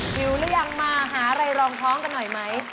วิวรุยังมาหารายรองท้องกันหน่อยไหม